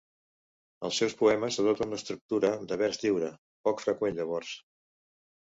Els seus poemes adopten l'estructura de vers lliure, poc freqüent llavors.